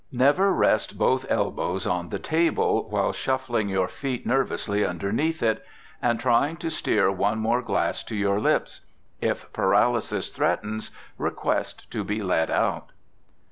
Never rest both elbows on the table, while shuffling your feet nervously underneath it, and trying to steer one more glass to your lips. If paralysis threatens, request to be led out.